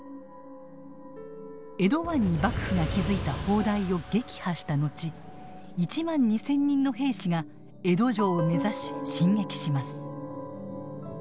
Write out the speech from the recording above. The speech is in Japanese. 江戸湾に幕府が築いた砲台を撃破したのち１万２，０００人の兵士が江戸城を目指し進撃します。